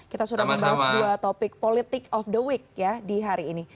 kita sudah membahas dua topik politik of the week ya di hari ini